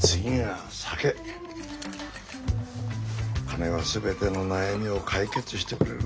金は全ての悩みを解決してくれる。